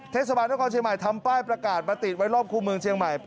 เทศบาลนครเชียงใหม่ทำป้ายประกาศมาติดไว้รอบคู่เมืองเชียงใหม่